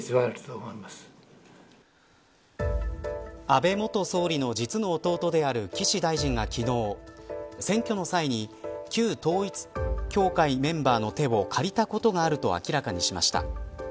安倍元総理の実の弟である岸大臣が昨日選挙の際に旧統一教会メンバーの手を借りたことがあると明らかにしました。